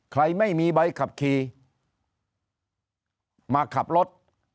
ไม่มีใบขับขี่มาขับรถ